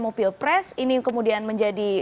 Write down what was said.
mau pilpres ini kemudian menjadi